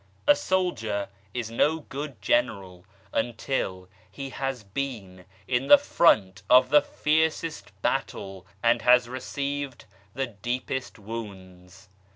A soldier is no good general until he has been in the front of the fiercest battle and has received the deepest wounds.